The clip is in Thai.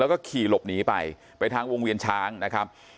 แล้วก็ขี่หลบหนีไปไปทางวงเวียนช้างนะครับ